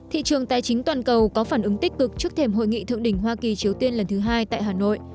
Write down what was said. thị trường tài chính toàn cầu có phản ứng tích cực trước thềm hội nghị thượng đỉnh hoa kỳ triều tiên lần thứ hai tại hà nội